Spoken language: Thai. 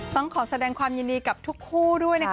ต้องขอแสดงความยินดีกับทุกคู่ด้วยนะคะ